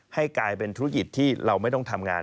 ให้กลายเป็นธุรกิจที่เราไม่ต้องทำงาน